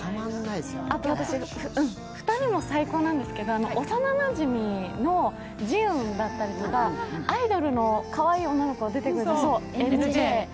あと２人も最高なんですけど、幼なじみのジウンだったりとか、アイドルのかわいい女の子が出てくるんだけど、ＪＮさん。